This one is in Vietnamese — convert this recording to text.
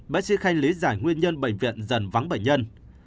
bác sĩ khanh lý giải nguyên nhân bệnh viện dần vắng bệnh nhân